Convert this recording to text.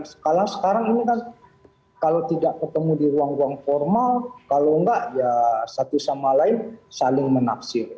sekarang sekarang ini kan kalau tidak ketemu di ruang ruang formal kalau enggak ya satu sama lain saling menafsir